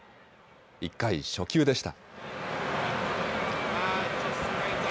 １回、初球でした。